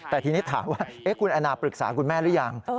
แต่ทีนี้ถามว่าคุณแอนนาปรึกษาคุณแม่หรือยัง